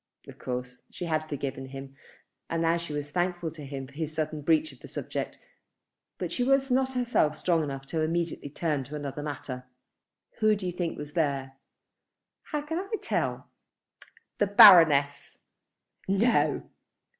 Of course she had forgiven him and now she was thankful to him for his sudden breach of the subject; but she was not herself strong enough immediately to turn to another matter. "Who do you think was there?" "How can I tell?" "The Baroness." "No?"